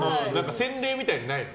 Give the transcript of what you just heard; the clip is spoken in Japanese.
洗礼みたいなのないの？